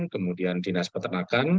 kemudian jenis peternakan